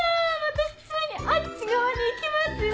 私ついにあっち側に行きますよ！